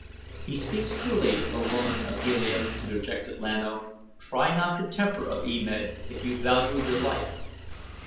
"He speaks truly, O woman of Helium," interjected Lan O. "Try not the temper of E Med, if you value your life."